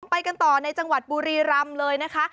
ไปกันต่อในจังหวัดบุรีรำเลยนะคะ